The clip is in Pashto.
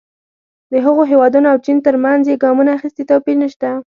د هغو هېوادونو او چین ترمنځ چې ګامونه اخیستي توپیر نه شته.